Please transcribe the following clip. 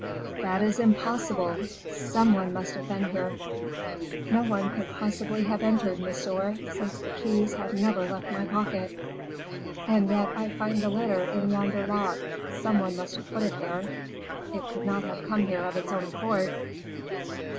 "That is impossible! Some one must have been here." "No one could possibly have entered, monsieur, since the keys have never left my pocket." "And yet I find the letter in yonder lock; some one must have put it there; it could not have come here of its own accord."